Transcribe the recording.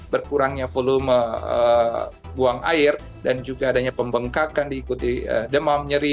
berkurangnya volume buang air dan juga adanya pembengkakan diikuti demam nyeri